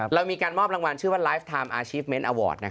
แล้วมีการมอบรางวัลชื่อว่าไลฟ์แทรมรัฐิแฟมเปซ์ส่องอัลวอร์ท